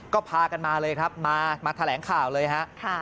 ก็พากันมาเลยครับมาแถลงข่าวเลยฮะ